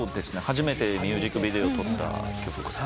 初めてミュージックビデオ撮った曲。